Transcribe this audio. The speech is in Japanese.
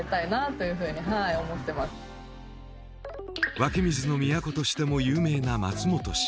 湧き水の都としても有名な松本市